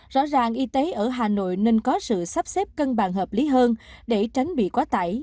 rõ ràng y tế ở hà nội nên có sự sắp xếp cân bàn hợp lý hơn để tránh bị quá tải